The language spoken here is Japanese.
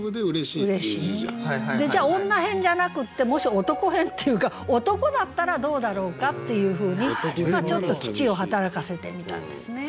じゃあ女偏じゃなくってもし男偏っていうか「男」だったらどうだろうかっていうふうにちょっと機知を働かせてみたんですね。